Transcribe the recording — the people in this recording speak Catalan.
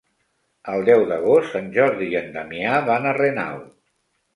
El deu d'agost en Jordi i en Damià van a Renau.